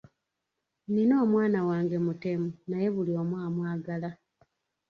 Nina omwana wange mutemu naye buli omu amwagala.